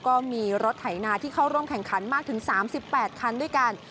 ก็มีรถไถนาที่เข้าร่วมแข่งขันมากถึง๓๘คันด้วยกัน